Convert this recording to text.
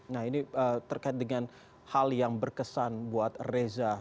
nah ini terkait dengan hal yang berkesan buat reza